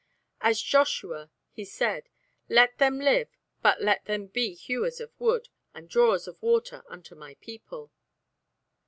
As Joshua, he said, "Let them live but let them be hewers of wood and drawers of water unto my people."